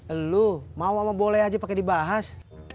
elu mau apa boleh aja pake di bahas